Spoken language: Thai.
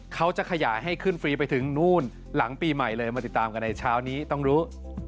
เขาจะขยายให้ขึ้นฟรีไปถึงนู่นหลังปีใหม่เลยมาติดตามกันในเช้านี้ต้องรู้